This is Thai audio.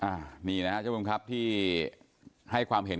อ่ามีเลยนะครับชายปุ่มครับที่ให้ความเห็น